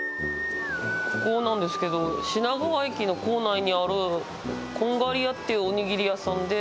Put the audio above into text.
ここなんですけど品川駅の構内にあるこんがりやっていうおにぎり屋さんで。